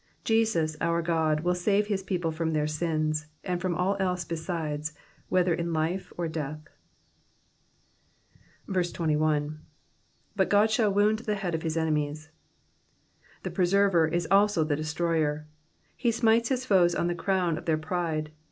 Jesus, our God J will save his people from their sins, and from all else besides, whether in life or death. 21. ^'But God shall toound the head of his enemies.'*' The Preserver is also the Destroyer. He smites his foes on the crown of their pride.